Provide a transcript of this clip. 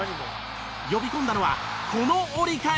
呼び込んだのはこの折り返し。